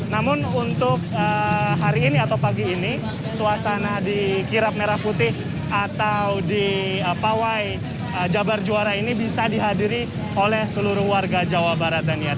namun untuk hari ini atau pagi ini suasana di kirap merah putih atau di pawai jabar juara ini bisa dihadiri oleh seluruh warga jawa barat daniar